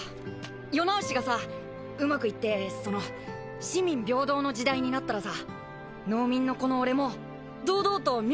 世直しがさうまくいってその四民平等の時代になったらさ農民の子の俺も堂々と名字名乗れるんすか？